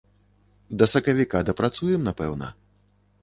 Да сакавіка дапрацуем, напэўна.